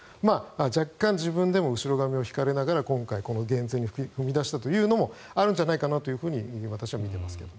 若干、自分でも後ろ髪を引かれながらこの減税に踏み出したというのもあるんじゃないかなと私は見ていますけど。